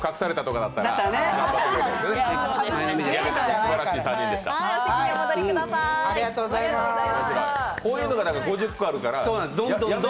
こういうのが５０個あるから。